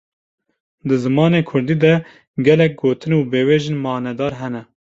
Di zimanê kurdî de gelek gotin û biwêjên manedar hene.